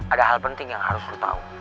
ada hal penting yang harus lo tau